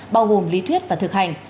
bao gồm lý thuyết và thực hành